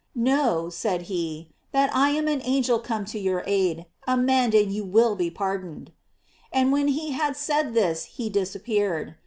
Know,' said he, 'that I am an angel come to your aid; amend and you will be pardoned.' And when he had said this he disappeared.